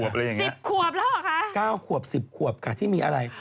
สิบขวบแล้วเหรอคะ๙ขวบ๑๐ขวบค่ะที่มีอะไร